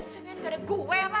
seneng gak ada gue fa